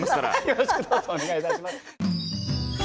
よろしくどうぞお願いいたします。